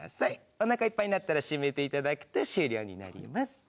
お腹いっぱいになったら閉めて頂くと終了になります。